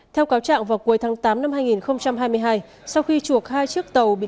theo cáo trạng vào cuối tháng tám năm hai nghìn hai mươi hai